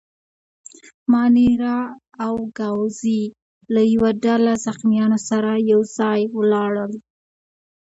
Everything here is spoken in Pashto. مانیرا او ګاووزي له یوه ډله زخیمانو سره یو ځای ولاړل.